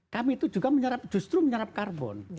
kami itu juga justru menyerap karbon